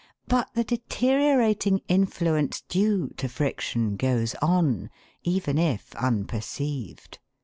But the deteriorating influence due to friction goes on, even if unperceived.